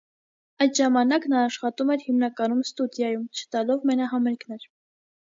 Այդ ժամանակ նա աշխատում էր հիմնականում ստուդիայում՝ չտալով մենահամերգներ։